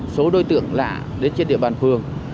số đối tượng lạ đến trên địa bàn phường